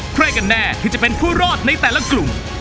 ใครกันแน่ที่จะเป็นผู้รอดในแต่ละกลุ่ม